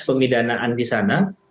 pemidanaan di sana